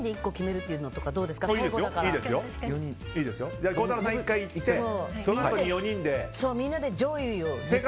じゃあ孝太郎さん、１回いってそのあと４人で。